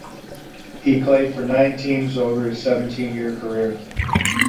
He played for nine teams over his seventeen-year career.